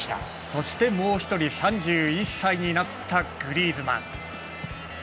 そして、もう１人３１歳になったグリーズマン。